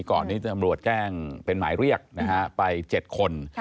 ก่อนนี้ตำรวจแจ้งเป็นหมายเรียกนะฮะไป๗คน